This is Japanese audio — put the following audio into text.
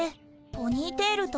ポニーテール。